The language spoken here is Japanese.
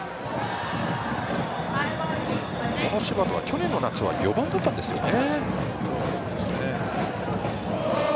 この柴田は去年の夏は４番だったんですよね。